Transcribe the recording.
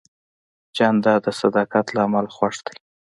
جانداد د صداقت له امله خوښ دی.